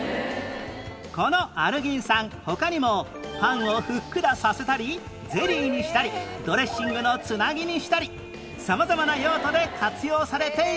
このアルギン酸他にもパンをふっくらさせたりゼリーにしたりドレッシングのつなぎにしたり様々な用途で活用されているんです